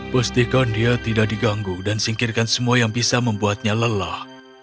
pastikan dia tidak diganggu dan singkirkan semua yang bisa membuatnya lelah